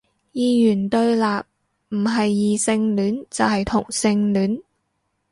二元對立，唔係異性戀就係同性戀